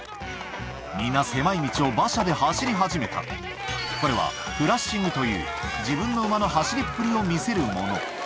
皆狭い道を馬車で走り始めたこれは自分の馬の走りっぷりを見せるもの